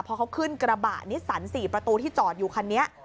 พอเขาขึ้นกระบะนิสสัน๔ประตูที่จอดอยู่คันนี้